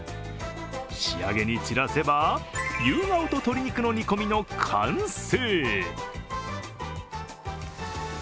仕上げに散らせば、夕顔と鶏肉の煮込みの完成。